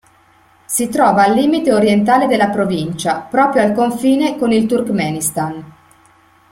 Si trova al limite orientale della provincia, proprio al confine con il Turkmenistan.